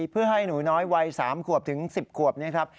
เพื่อให้หนูน้อยวัย๓ขวบถึง๑๐ขวบนี้ครับ